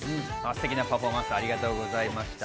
ステキなパフォーマンス、ありがとうございました。